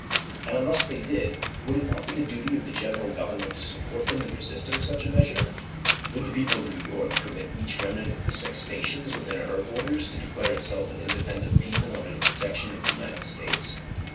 And unless they did would it not be the duty of the General Government to support them in resisting such a measure? Would the people of New York permit each remnant of the six Nations within her borders to declare itself an independent people under the protection of the United States?